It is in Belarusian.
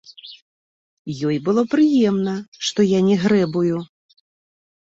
Ёй было прыемна, што я не грэбую.